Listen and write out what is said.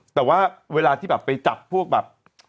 แต่ว่าเวลาที่แบบไปจับพวกแบบ